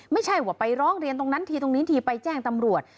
ไม่ใช่ว่าไปร้องเรียนตรงนั้นทีตรงนี้ทีไปแจ้งตำรวจ